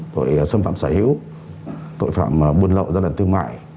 tội xâm phạm xảy hữu tội phạm buôn lộ gia đình thương mại